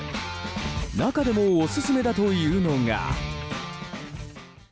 中でもオススメだというのが。